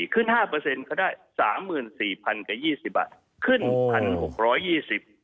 ขึ้น๕เปอร์เซ็นต์เขาได้๓๔๐๒๐บาทขึ้น๑๖๒๐บาท